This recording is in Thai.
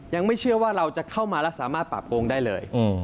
ยังไม่เชื่อว่าเราจะเข้ามาแล้วสามารถปราบโกงได้เลย